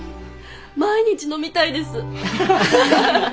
毎日飲みたいです！